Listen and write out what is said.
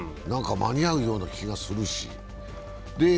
間に合うような気がするし。